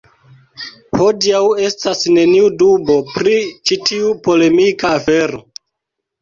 Hodiaŭ estas neniu dubo pri ĉi tiu polemika afero.